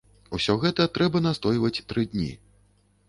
Усё гэта трэба настойваць тры дні.